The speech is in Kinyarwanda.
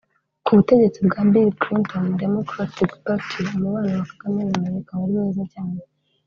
Ku butegetsi bwa Bill Clinton (Democratic Party) umubano wa Kagame na Amerika wari mwiza cyane